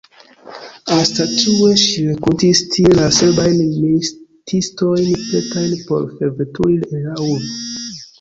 Anstataŭe, ŝi renkontis tie la serbajn militistojn, pretajn por forveturi el la urbo.